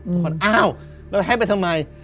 ทุกคนอ้าวแล้วให้ไปทำไม